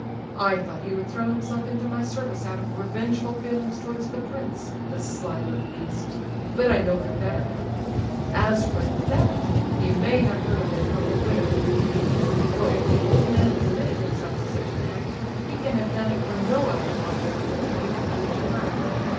I thought he would throw himself into my service out of revengeful feelings towards the prince, the sly little beast! But I know him better now. As for the theft, he may have heard of it from the widow in Petersburg, for if the old man committed himself to such an act, he can have done it for no other object but to give the money to her.